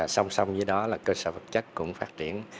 song song với đó là cơ sở vật chất cũng phát triển